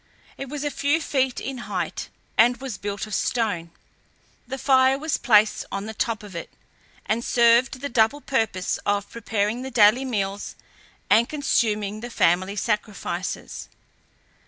It was a few feet in height and was built of stone; the fire was placed on the top of it, and served the double purpose of preparing the daily meals, and consuming the family sacrifices.